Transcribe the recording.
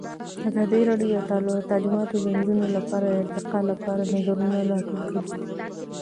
ازادي راډیو د تعلیمات د نجونو لپاره د ارتقا لپاره نظرونه راټول کړي.